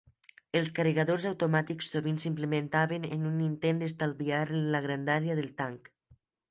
Els carregadors automàtics sovint s'implementaven en un intent d'estalviar en la grandària del tanc.